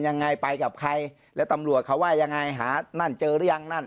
ยังไงไปกับใครแล้วตำรวจเขาว่ายังไงหานั่นเจอหรือยังนั่น